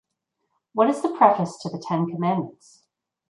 What is the preface to the ten commandments?